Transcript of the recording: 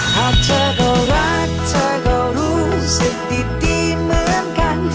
หากเธอก็รักเธอก็รู้สึกดีเหมือนกัน